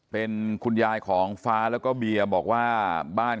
เป็นคุณยายของฟ้าแล้วก็เบียบอกว่าบ้าน